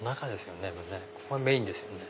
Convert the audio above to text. もうここがメインですよね。